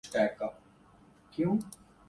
آزادی کے بعد بھی ایک ڈپٹی کمشنر کی آن بان وہی رہی